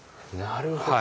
なるほど。